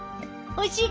おいしい！